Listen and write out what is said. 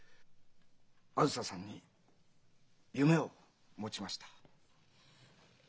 あづささんに夢を持ちました。